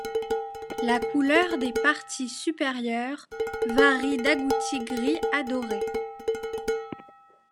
La couleur des parties supérieures varie d'agouti gris à doré.